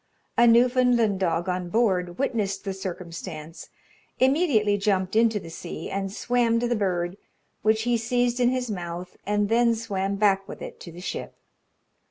A Newfoundland dog on board witnessed the circumstance, immediately jumped into the sea, and swam to the bird, which he seized in his mouth, and then swam back with it to the ship.